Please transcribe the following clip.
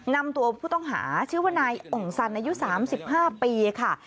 นำตัวผู้ต้องหาชื่อว่านายอ่องสันอายุ๓๕ปีค่ะ